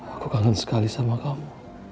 aku kangen sekali sama kamu